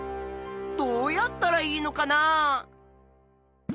どうやったらいいのかなあ？